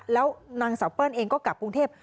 แล้วนางสาวเปิ้ลเองก็กลับกรุงเทพ